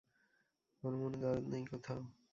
ওর মনে দরদ নেই কোথাও।